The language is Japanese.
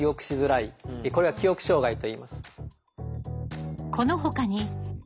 これは記憶障害といいます。